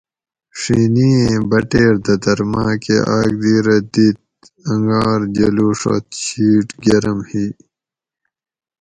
ڄھینی ایں بٹیر دتر ماۤکہ آک دی رہ دِیت انگار جلوڛت شیٹ گرم ھی